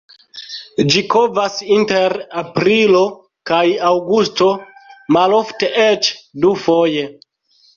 Ĝi kovas inter aprilo kaj aŭgusto, malofte eĉ dufoje.